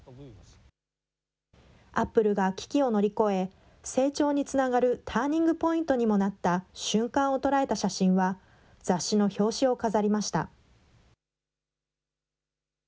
アップルが危機を乗り越え、成長につながるターニングポイントにもなった瞬間を捉えた写真は、雑誌の表紙を飾りました。